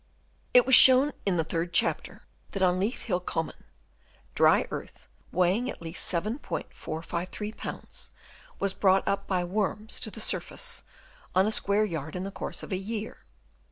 It was shown in the third chapter that on Leith Hill Common, dry earth weighing at least 7*453 lbs. was brought up by worms to the surface on a square yard in the course of a year.